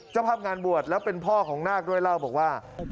ภาพงานบวชแล้วเป็นพ่อของนาคด้วยเล่าบอกว่า